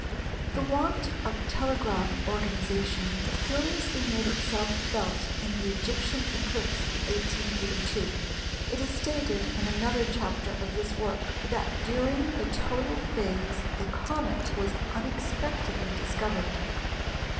The want of telegraph organisation curiously made itself felt in the Egyptian eclipse of 1882. It is stated in another chapter of this work that during the total phase a comet was unexpectedly discovered.